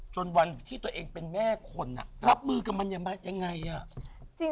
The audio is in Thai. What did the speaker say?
จนวันที่ตัวเองเป็นแม่คนรับมือกับมันยังไงอ่ะ